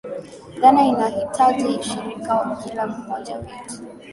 Dhana inahitaji ushiriki wa kila mmoja wetu